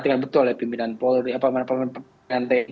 yang harus kemudian diperhatikan betul oleh pembinaan polri pembinaan tni